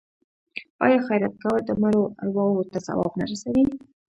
آیا خیرات کول د مړو ارواو ته ثواب نه رسوي؟